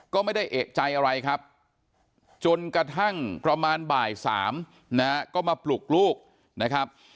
ก็ไม่ได้เอกใจอะไรครับจนกระทั่งประมาณบ่าย๓นะฮะก็มาปลุกลูกนะครับ